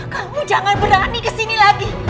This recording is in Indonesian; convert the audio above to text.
kamu jangan berani kesini lagi